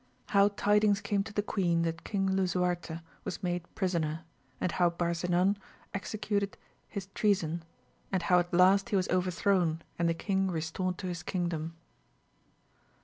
— How tidings came to the queen that King Lisuarte was made prisoner, and how Barsinau executed his treason, and how at last he was OTerthrown and the king restored to his kingdom.